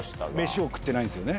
飯を食ってないんすよね。